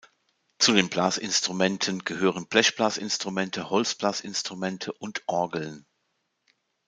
Zu den Blasinstrumenten gehören Blechblasinstrumente, Holzblasinstrumente und Orgeln.